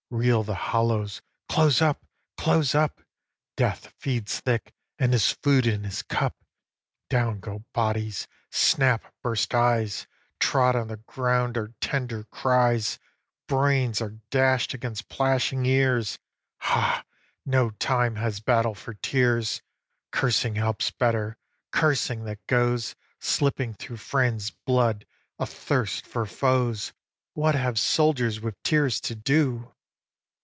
Reel the hollows: close up! close up! Death feeds thick, and his food is his cup. Down go bodies, snap burst eyes; Trod on the ground are tender cries; Brains are dash'd against plashing ears; Hah! no time has battle for tears; Cursing helps better cursing, that goes Slipping through friends' blood, athirst for foes'. What have soldiers with tears to do?